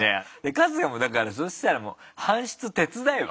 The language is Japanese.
春日もだからそしたらもう搬出手伝えば？